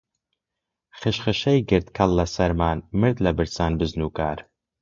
خشخشەی گرت کەڵ لە سەرمان، مرد لە برسان بزن و کار